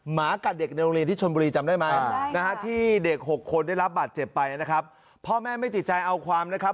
หมากัดเด็กในโรงเรียนที่ชนบุรีจำได้ไหมนะฮะที่เด็ก๖คนได้รับบาดเจ็บไปนะครับพ่อแม่ไม่ติดใจเอาความนะครับ